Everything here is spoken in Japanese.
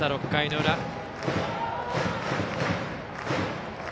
６回の裏。